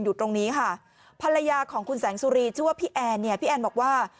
อยู่ตรงนี้ค่ะภรรยาของคุณแสงสุรีชื่อว่าพี่แอนเนี่ยพี่แอนบอกว่า